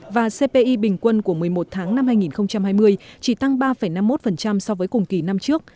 và cpi bình quân của một mươi một tháng năm hai nghìn hai mươi chỉ tăng ba năm mươi một so với cùng kỳ năm trước